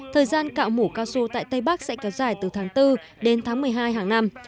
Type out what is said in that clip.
thời gian cạo mũ cao su tại tây bắc sẽ kéo dài từ tháng bốn đến tháng một mươi hai hàng năm